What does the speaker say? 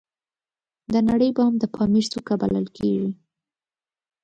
د نړۍ بام د پامیر څوکه بلل کیږي